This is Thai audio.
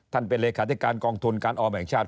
เป็นเลขาธิการกองทุนการออมแห่งชาติ